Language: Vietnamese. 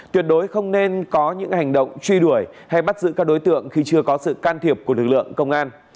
tuyệt đối không nên có những hành động truy đuổi hay bắt giữ các đối tượng khi chưa có sự can thiệp của lực lượng công an